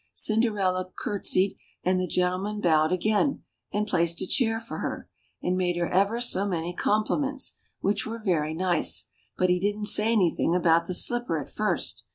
Cinderella courte sied, and the gentleman bowed again, and placed a chair for her, and made her ever so many compliments, which were very nice ; but he didn't say anything about the slipper at first.